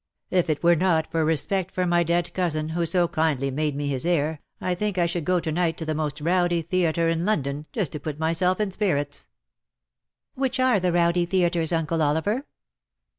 If it were not for respect for my dead cousin who so kindly made me his heir_, I think I should go to night to the most rowdy theatre in London, just to put myself in spirits." " Which are the rowdy theatres, Uncle Oliver?"